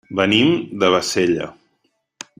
Venim de Bassella.